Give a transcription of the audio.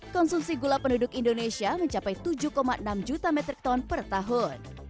konsumsi gula penduduk indonesia mencapai tujuh enam juta metrik ton per tahun